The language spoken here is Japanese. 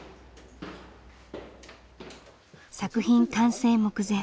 作品完成目前。